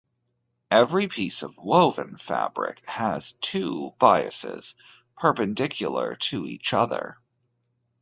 Every piece of woven fabric has two biases, perpendicular to each other.